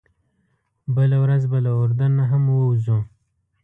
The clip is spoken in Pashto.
بله ورځ به له اردن نه هم ووځو.